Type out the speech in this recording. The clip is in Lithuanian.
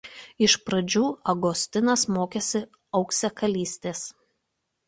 Iš pradžių Agostinas mokėsi auksakalystės.